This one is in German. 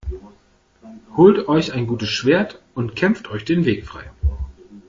Holt euch ein gutes Schwert und kämpft euch den Weg frei!